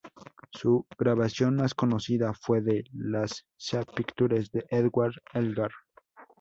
Su grabación más conocida fue de las" Sea Pictures" de Edward Elgar.